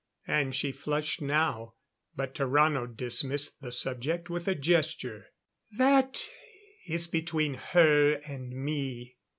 And she flushed now, but Tarrano dismissed the subject with a gesture. "That is between her and me....